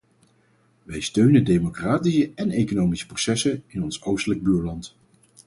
Wij steunen democratische en economische processen in ons oostelijke buurland.